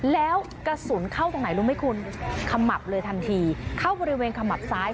แล้วกระสุนเข้าตรงไหนรู้ไหมคุณขมับเลยทันทีเข้าบริเวณขมับซ้าย